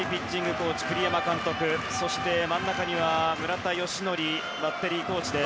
コーチ栗山監督そして、真ん中には村田善則バッテリーコーチ。